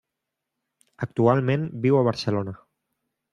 Actualment viu a Barcelona.